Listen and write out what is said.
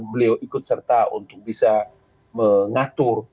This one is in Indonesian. beliau ikut serta untuk bisa mengatur